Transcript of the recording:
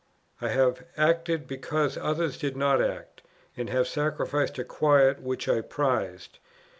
I have acted because others did not act, and have sacrificed a quiet which I prized.